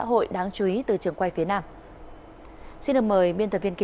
tôi nghĩ tôi có thể nói rằng